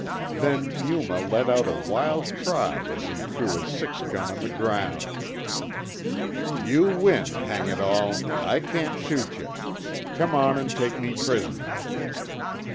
Then Yuma let out a wild cry as he threw his six gun on the ground. "You win, hang it all, I can't shoot yuh. Come on an' take me prisoner."